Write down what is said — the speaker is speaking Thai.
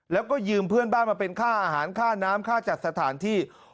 แล้วก็ยืมเพื่อนบ้านมาเป็นค่าอาหารค่าน้ำค่าจัดสถานที่